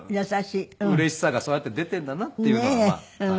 うれしさがそうやって出てんだなっていうのははい。